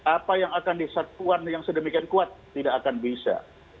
apa yang akan disatuan yang sedemikian kuat tidak akan bisa